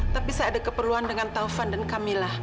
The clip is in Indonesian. tapi saya ada keperluan dengan taufan dan camillah